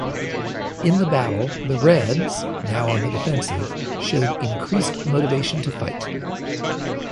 In the battle, the Reds, now on the defensive, showed increased motivation to fight.